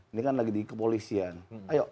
ini kan lagi di kepolisian ayo